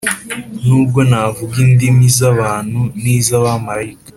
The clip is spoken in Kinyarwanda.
nubwo navuga indimi z abantu n iz abamarayika